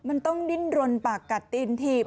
มันต้องดิ้นรนปากกัดตีนถีบ